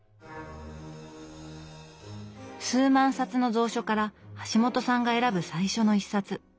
数万冊の蔵書から橋本さんが選ぶ最初の一冊。